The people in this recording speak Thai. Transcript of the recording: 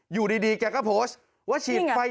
อยู่ดีแกก็โพสต์